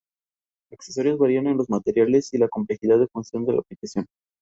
Es internacional con la selección femenina de baloncesto de Australia.